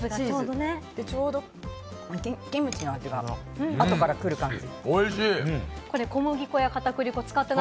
ちょうどキムチの味がちょっと後から来る感じ。